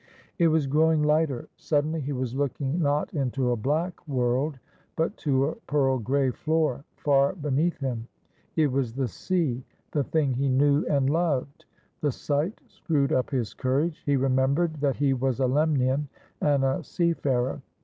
It was growing lighter. Suddenly he was looking not into a black world but to a pearl gray floor, far beneath him. It was the sea, the thing he knew and loved. The sight screwed up his courage. He remembered that he was a Lemnian and a seafarer.